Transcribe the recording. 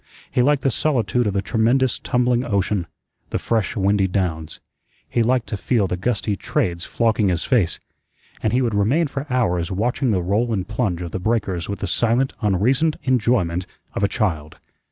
He liked the solitude of the tremendous, tumbling ocean; the fresh, windy downs; he liked to feel the gusty Trades flogging his face, and he would remain for hours watching the roll and plunge of the breakers with the silent, unreasoned enjoyment of a child.